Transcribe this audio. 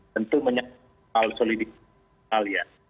tentu banyak hal solidifikal ya